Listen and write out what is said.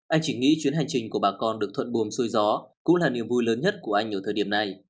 anh chỉ nghĩ chuyến hành trình của bà con được thuận buồng xuôi gió cũng là niềm vui lớn nhất của anh ở thời điểm này